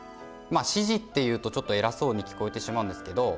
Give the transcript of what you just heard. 指示って言うとちょっとえらそうに聞こえてしまうんですけどま